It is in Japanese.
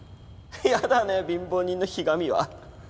やだね貧乏人のひがみは。